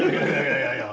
いやいや。